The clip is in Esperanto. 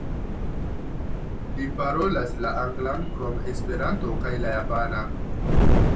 Li parolas la anglan krom esperanto kaj la japana.